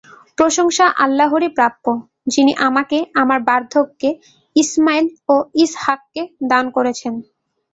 প্রশংসা আল্লাহরই প্রাপ্য, যিনি আমাকে আমার বার্ধক্যে ইসমাঈল ও ইসহাককে দান করেছেন।